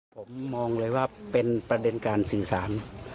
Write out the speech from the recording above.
ผมมองเลยว่าเป็นประเด็นการสื่อสาร